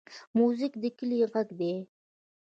موزیک د کلي غږ دی.